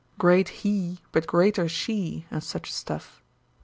Great He! but greater She! and such stuff.'